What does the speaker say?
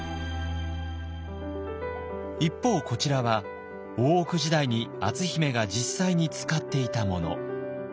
一方こちらは大奥時代に篤姫が実際に使っていたもの。